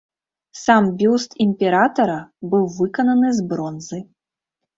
Сам бюст імператара быў выкананы з бронзы.